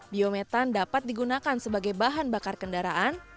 biometan dapat digunakan sebagai bahan bakar kendaraan